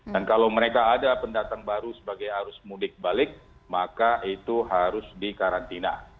dan kalau mereka ada pendatang baru sebagai arus mudik balik maka itu harus dikarantina